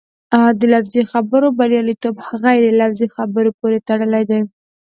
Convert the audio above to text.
د لفظي خبرو بریالیتوب غیر لفظي خبرو پورې تړلی دی.